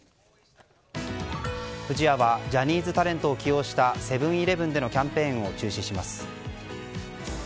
不二家はジャニーズタレントを起用したセブン‐イレブンでのキャンペーンを中止します。